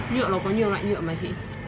nhựa nó có nhiều loại nhựa mà chị